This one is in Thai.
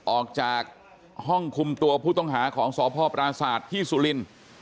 ออกจากห้องคุมตัวผู้ต้องหาของสพปราศาสตร์ที่สุรินทร์